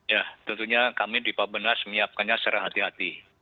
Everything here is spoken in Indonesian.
ya tentunya kami di papenas menyiapkannya secara hati hati